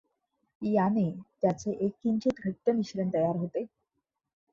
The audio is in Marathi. याने त्याचे एक किंचित घट्ट मिश्रण तयार होते.